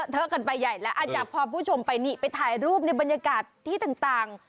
เทอะกันไปใหญ่แล้วอาจจะพอผู้ชมไปนี่ไปถ่ายรูปในบรรยากาศที่ต่าง